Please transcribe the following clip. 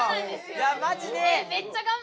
いやマジで。ね！